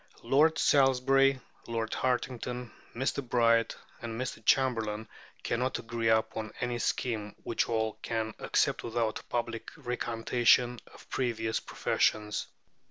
Lord Salisbury, Lord Hartington, Mr. Bright, and Mr. Chamberlain cannot agree upon any scheme which all can accept without a public recantation of previous professions.